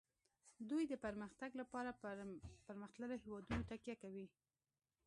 دوی د پرمختګ لپاره په پرمختللو هیوادونو تکیه کوي